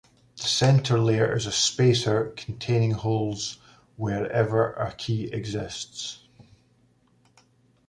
The center layer is a "spacer" containing holes wherever a "key" exists.